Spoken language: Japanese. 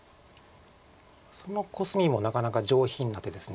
そのコスミもなかなか上品な手です。